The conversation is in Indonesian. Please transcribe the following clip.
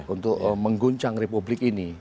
untuk mengguncang republik ini